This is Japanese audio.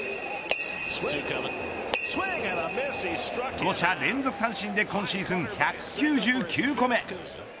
５者連続三振で今シーズン１９９個目。